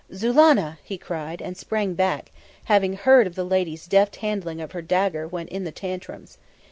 "Zulannah!" he cried, and sprang back, having heard of the lady's deft handling of her dagger when in the tantrums.